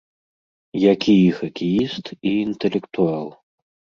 Які і хакеіст, і інтэлектуал.